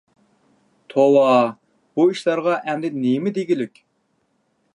توۋا، بۇ ئىشلارغا ئەمدى نېمە دېگۈلۈك؟